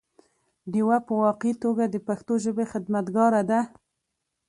ډيوه په واقعي توګه د پښتو ژبې خدمتګاره ده